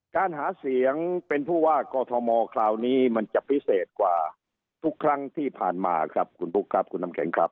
การหาเสียงเป็นผู้ว่ากอทมคราวนี้มันจะพิเศษกว่าทุกครั้งที่ผ่านมาครับคุณบุ๊คครับคุณน้ำแข็งครับ